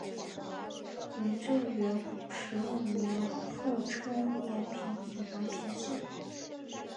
元至元十五年复称延平府南平县。